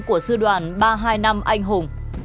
của sư đoàn ba trăm hai mươi năm anh hùng